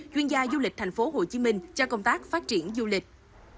chuyên gia du lịch thành phố hồ chí minh cho công tác phát triển du lịch